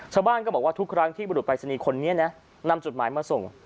ชาวบ้านก็บอกว่าทุกครั้งที่บุรุษปรายศนีย์คนนี้นะนำจดหมายมาส่ง